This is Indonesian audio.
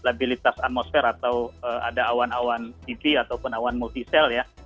labilitas atmosfer atau ada awan awan tv ataupun awan multisel ya